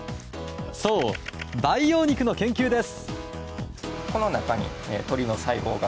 そう、培養肉の研究です。